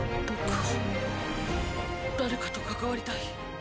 僕は誰かと関わりたい。